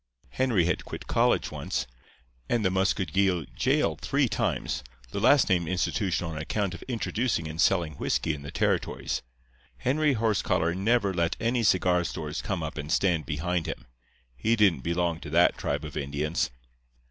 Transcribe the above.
Henry had quit college once, and the Muscogee jail three times—the last named institution on account of introducing and selling whisky in the territories. Henry Horsecollar never let any cigar stores come up and stand behind him. He didn't belong to that tribe of Indians.